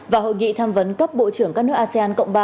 và hội nghị tham vấn cấp bộ trưởng các nước asean cộng ba